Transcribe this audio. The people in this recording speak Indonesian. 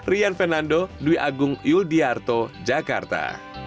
rian fernando dwi agung yul diyarto jakarta